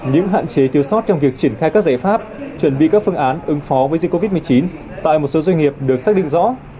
những hạn chế thiêu sót trong việc triển khai các giải pháp chuẩn bị các phương án ứng phó với dịch covid một mươi chín tại một số doanh nghiệp được xác định rõ